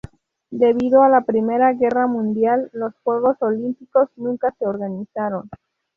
Debido a la Primera Guerra Mundial, los Juegos Olímpicos nunca se organizaron.